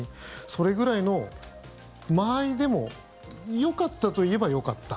それぐらいの間合いでもよかったといえばよかった。